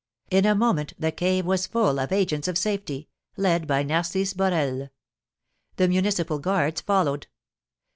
In a moment the cave was full of agents of safety, led by Narcisse Borel. The Municipal Guards followed.